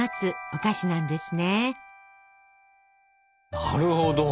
なるほど！